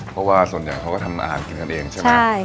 เพราะว่าส่วนใหญ่เขาก็ทำอาหารกินกันเองใช่ไหม